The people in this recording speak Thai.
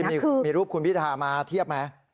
มีรูปคุณพิธามาเทียบไหม